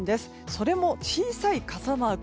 それも小さい傘マーク。